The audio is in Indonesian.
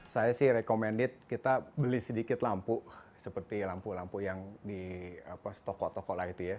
saya sih recommended kita beli sedikit lampu seperti lampu lampu yang di toko toko lah itu ya